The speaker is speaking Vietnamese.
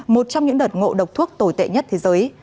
một trong những đợt ngộ độc thuốc tồi tệ nhất thế giới